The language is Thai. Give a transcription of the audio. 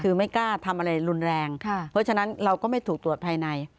คือไม่กล้าทำอะไรรุนแรงเพราะฉะนั้นเราก็ไม่ถูกตรวจภายใน